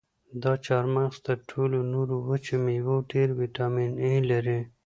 دا چهارمغز تر ټولو نورو وچو مېوو ډېر ویټامین ای لري.